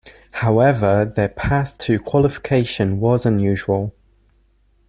However, their path to qualification was unusual.